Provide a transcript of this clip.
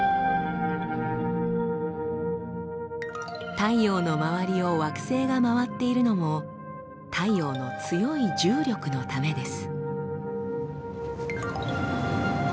太陽の周りを惑星が回っているのも太陽の強い重力のためです。